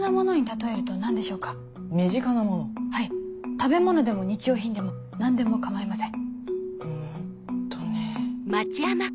食べ物でも日用品でも何でも構いません。